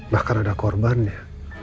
bahkan ada korbannya